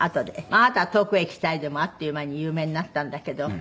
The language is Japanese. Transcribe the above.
あなたは『遠くへ行きたい』でもうあっという間に有名になったんだけど。